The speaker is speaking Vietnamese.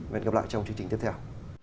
và hẹn gặp lại trong chương trình tiếp theo